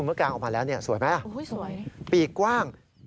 จากปีกซ้ายไปปีกขวา